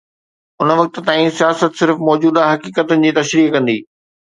ان وقت تائين سياست صرف موجوده حقيقتن جي تشريح ڪندي.